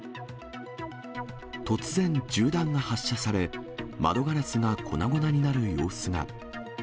突然、銃弾が発射され、窓ガラスが粉々になる様子が。